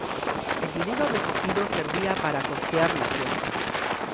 El dinero recogido servía para costear la fiesta.